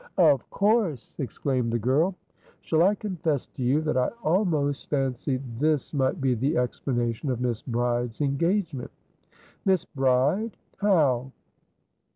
"Of course!" exclaimed the girl. "Shall I confess to you that I almost fancied this might be the explanation of Miss Bride's engagement?" "Miss Bride? How?"